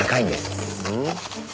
うん？